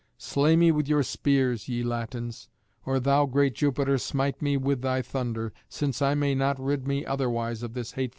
Slay me with your spears, ye Latins; or thou, great Jupiter, smite me with thy thunder, since I may not rid me otherwise of this hateful life."